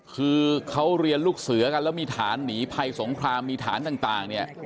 คือเขาเรียนลูกเสือกันแล้วมีฐานหนีภัยสงครามมีฐานต่างเนี่ย